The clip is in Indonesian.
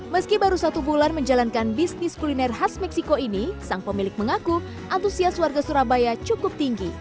meski baru satu bulan menjalankan bisnis kuliner khas meksiko ini sang pemilik mengaku antusias warga surabaya cukup tinggi